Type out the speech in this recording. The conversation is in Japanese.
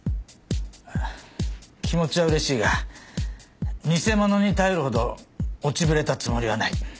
気持ちは嬉しいが偽物に頼るほど落ちぶれたつもりはない。